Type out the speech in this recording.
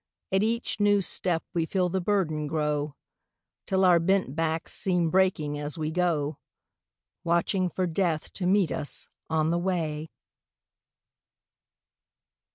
At each new step we feel the burden grow, Till our bent backs seem breaking as we go, Watching for Death to meet us on the way.